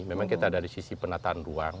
memang kita dari sisi penataan ruang